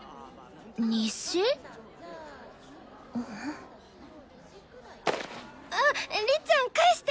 日誌？ありっちゃん返して！